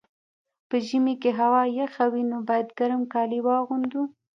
په ژمي کي هوا یخه وي، نو باید ګرم کالي واغوندو.